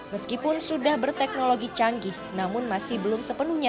meskipun sudah berteknologi canggih namun masih belum sepenuhnya